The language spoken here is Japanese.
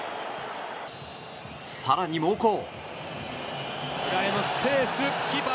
更に猛攻！